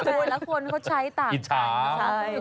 แต่ละคนเขาใช้ต่างชั้น